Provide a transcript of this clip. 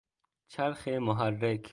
چرخ محرک